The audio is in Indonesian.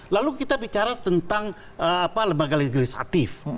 lalu kita bicara tentang lembaga legislatif